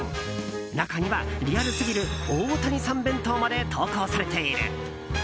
中には、リアルすぎる大谷さん弁当まで投稿されている。